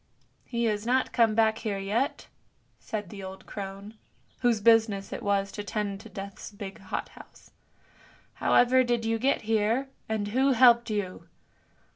" He has not come back here yet," said the old crone, whose business it was to tend Death's big hot house. " However did you get here, and who helped you?